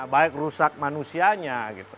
baik rusak manusianya